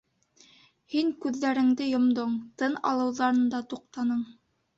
Һин күҙҙәреңде йомдоң, тын алыуҙан да туҡтаның...